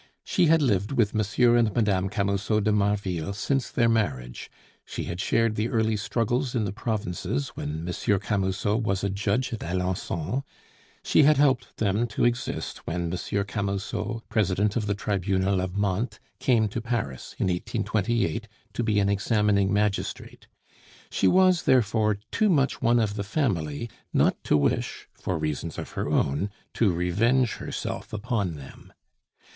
She had lived with M. and Mme. Camusot de Marville since their marriage; she had shared the early struggles in the provinces when M. Camusot was a judge at Alencon; she had helped them to exist when M. Camusot, President of the Tribunal of Mantes, came to Paris, in 1828, to be an examining magistrate. She was, therefore, too much one of the family not to wish, for reasons of her own, to revenge herself upon them.